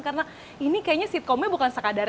karena ini kayaknya sitkomnya bukan sekadar